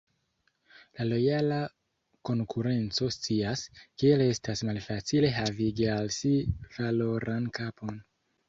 La Lojala Konkurenco scias, kiel estas malfacile havigi al si valoran kapon.